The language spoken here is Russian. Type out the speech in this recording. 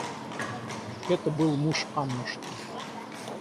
Это был муж Аннушки.